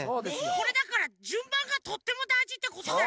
これだからじゅんばんがとってもだいじってことだよ。